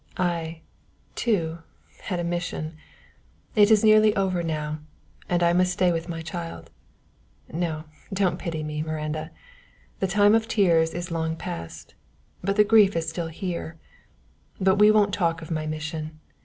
I, too, had a 'mission'; it is nearly over now, and I must stay with my child. No don't pity me, Miranda; the time of tears is long past, but the grief is here still. But we won't talk of my mission.